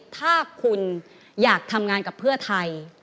ถ้าคุณอยากทำงานกับเพื่อไทย